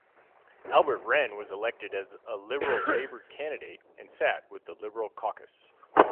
Albert Wren was elected as a Liberal-Labour candidate and sat with the Liberal caucus.